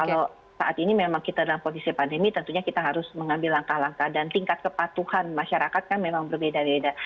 kalau saat ini memang kita dalam kondisi pandemi tentunya kita harus mengambil langkah langkah dan tingkat kepatuhan masyarakat kan memang berbeda beda